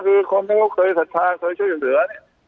คือความที่เขาเคยสัดทางเคยช่วยอย่างเหลือ